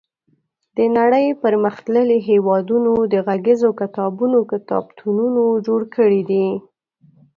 د نړۍ پرمختللي هېوادونو د غږیزو کتابونو کتابتونونه جوړ کړي دي.